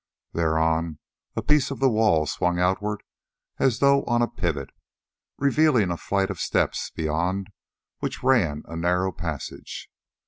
Thereon a piece of the wall swung outward as though upon a pivot, revealing a flight of steps, beyond which ran a narrow passage.